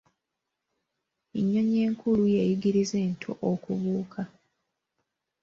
Ennyonyi enkulu y’eyigiriza ento okubuuka